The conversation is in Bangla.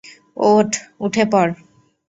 ওঠ, উঠে পড়!